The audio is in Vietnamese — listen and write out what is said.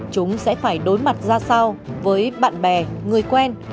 chúng sẽ phải đối mặt ra sao với bạn bè người quen